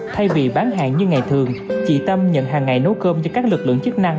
thay vì bán hàng như ngày thường chị tâm nhận hàng ngày nấu cơm cho các lực lượng chức năng